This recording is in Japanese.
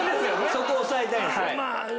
そこを押さえたいんですよ。